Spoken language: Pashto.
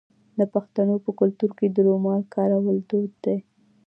د پښتنو په کلتور کې د رومال کارول دود دی.